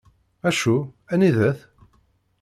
Acu? Anida-t?